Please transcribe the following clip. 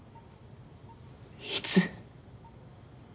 いつ？